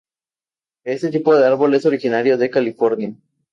Este tipo de árbol es originario de California.